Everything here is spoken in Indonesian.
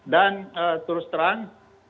dan terus terang